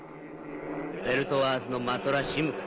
ベルトワーズのマトラシムカ。